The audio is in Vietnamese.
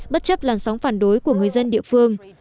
bất chấp làn sóng phản đối của người dân địa phương